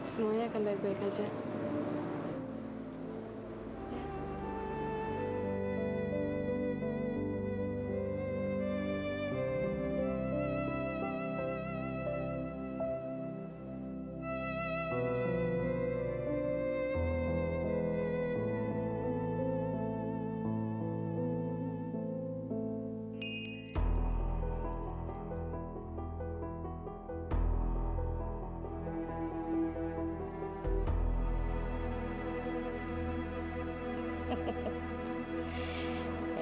meskipun dia tamat banyak orang ingin mencuba untuk mencuba ala anakawlalya